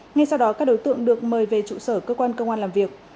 ngay sau đó các đối tượng được mời về trụ sở cơ quan công an làm việc